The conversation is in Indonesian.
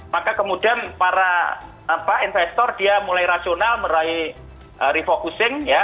maka kemudian para investor dia mulai rasional meraih refocusing ya